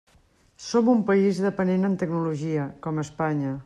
Som un país dependent en tecnologia, com Espanya.